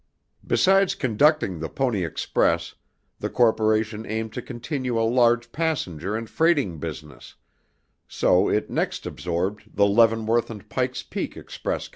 Besides conducting the Pony Express, the corporation aimed to continue a large passenger and freighting business, so it next absorbed the Leavenworth and Pike's Peak Express Co.